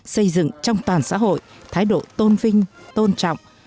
xây dựng trong toàn xã hội thái độ tôn vinh tôn trọng